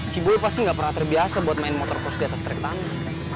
si boy pasti gak pernah terbiasa buat main motocross di atas terik tangan